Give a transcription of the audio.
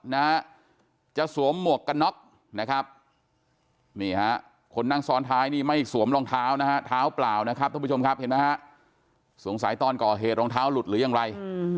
นางซ้อนทายนี่ไม่สวมรองเท้านะฮะถาวเปล่านะครับท่านผู้ชมครับเห็นไหมฮะสงสัยต้อนก่อเหตุรองเท้าหลุดหรือยังไร